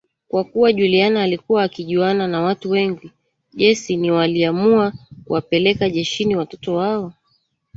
Kwa kuwa Juliana alikuwa akijuana na watu wengi jesiniwaliamua kuwapeleka jeshini Watoto wao